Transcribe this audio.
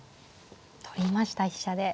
取りました飛車で。